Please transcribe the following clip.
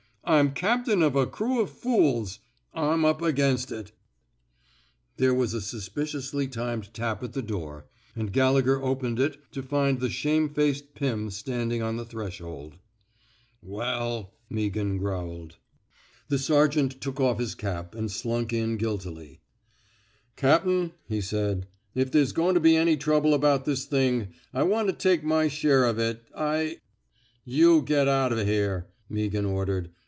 I'm captain of a crew of fools. I'm up against itl " There was a suspiciously timely tap at the door, and Gallegher opened it to find the shamefaced Pim standing on the threshold. Well? " Meaghan growled. 145 a THE SMOKE. EATERS The sergeant took off his cap and slunk in guiltily. Cap'n/' he said, if there's goin' to be any trouble about this thing, I want to take my share of it. I —''You get out of here," Meaghan ordered.